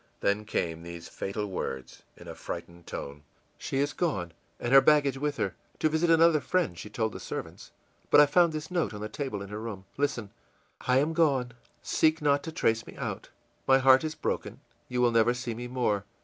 Then came these fatal words, in a frightened tone: ìShe is gone, and her baggage with her. To visit another friend, she told the servants. But I found this note on the table in her room. Listen: 'I am gone; seek not to trace me out; my heart is broken; you will never see me more.